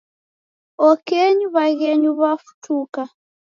Okenyi w'aghenyu w'afutuka